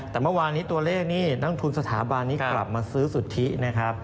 แต่เมื่อวานนี้ตัวเลขนี่นักทุนสถาบันนี้กลับมาซื้อสุทธินะครับ